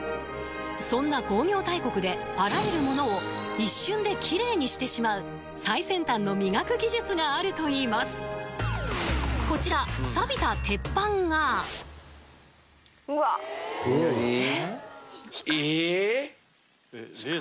そんな工業大国であらゆるものを一瞬できれいにしてしまう最先端の磨く技術があるといいますこちらうわっ何？え！？